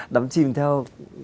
đắm chìm theo